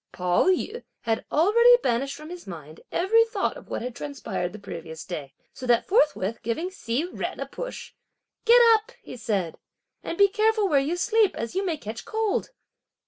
Pao yü had already banished from his mind every thought of what had transpired the previous day, so that forthwith giving Hsi Jen a push: "Get up!" he said, "and be careful where you sleep, as you may catch cold."